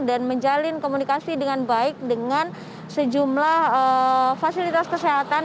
dan menjalin komunikasi dengan baik dengan sejumlah fasilitas kesehatan